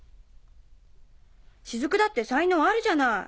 雫だって才能あるじゃない。